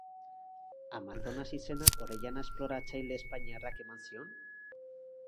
Amazonas izena Orellana esploratzaile espainiarrak eman zion?